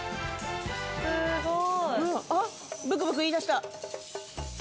すごい。あっブクブクいいだした。